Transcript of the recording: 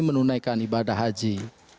menunaikan ibadah haji